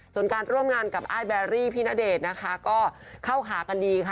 ส่วนการร่วมงานกับอ้ายแบรี่พี่ณเดชน์นะคะก็เข้าขากันดีค่ะ